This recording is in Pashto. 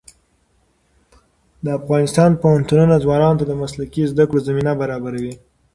د افغانستان پوهنتونونه ځوانانو ته د مسلکي زده کړو زمینه برابروي.